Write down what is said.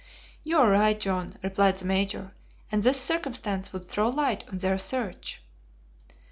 "You are right, John," replied the Major, "and this circumstance would throw light on their search."